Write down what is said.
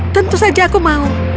tentu saja aku mau